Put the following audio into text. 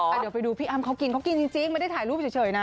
เดี๋ยวไปดูพี่อ้ำเขากินเขากินจริงไม่ได้ถ่ายรูปเฉยนะ